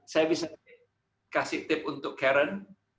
saya bisa kasih tips untuk karen